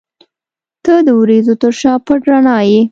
• ته د وریځو تر شا پټ رڼا یې.